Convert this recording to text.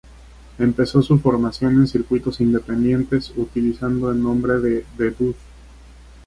Empezó su formación en circuitos independientes, utilizando en nombre de The Dude.